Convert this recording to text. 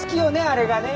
あれがね。